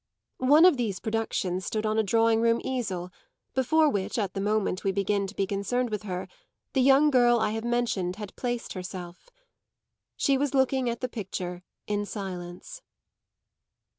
One of these productions stood on a drawing room easel before which, at the moment we begin to be concerned with her, the young girl I have mentioned had placed herself. She was looking at the picture in silence.